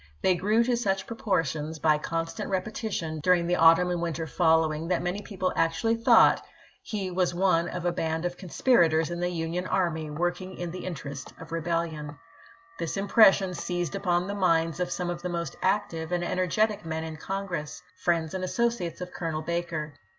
They grew to such proportions by constant repetition, during the autumn and winter following, that many people actually thought he was one of a band of 460 ABRAHAM LINCOLN ch. XXV. conspii'ators in the Union army working in the in terest of rebellion. This impression seized upon the minds of some of the most active and energetic men in Congress, friends and associates of Colonel Baker.